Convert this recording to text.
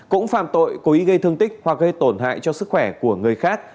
cũng phạm tội cố ý gây thương tích hoặc gây tổn hại cho sức khỏe của người khác